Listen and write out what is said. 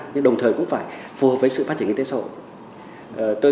nhưng đồng thời cũng phải phù hợp với sự phát triển kinh tế xã hội